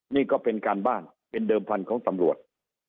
นี่ก็เป็นการบ้านเป็นเดิมพันธุ์ของตำรวจ